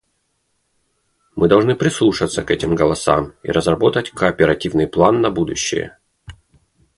Мы должны прислушаться к этим голосам и разработать кооперативный план на будущее.